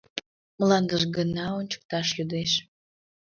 Мландыж гына ончыкташ йодеш.